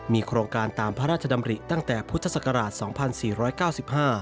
มีโครงการตามพระราชดำริตั้งแต่พุทธศักราช๒๔๙๕